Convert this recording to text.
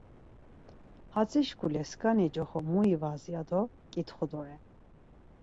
Hatzi şkule skani coxo mu ivas, ya do ǩitxu doren.